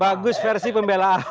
bagus versi pembela aroh